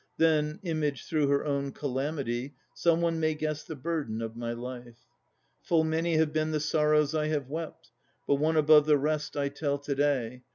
Then, imaged through her own calamity, Some one may guess the burden of my life. Full many have been the sorrows I have wept, But one above the rest I tell to day.